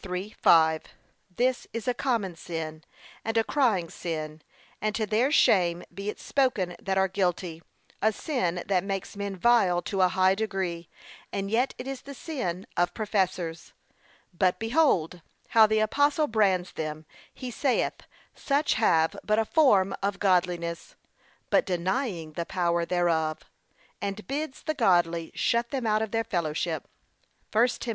3:5) This is a common sin, and a crying sin, and to their shame be it spoken that are guilty; a sin that makes men vile to a high degree, and yet it is the sin of professors. But behold how the apostle brands them; he saith, such have but 'a form of godliness, but denying the power thereof,' and bids the godly shut them out of their fellowship. (1 Tim.